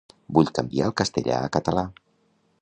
Vull canviar el castellà a català.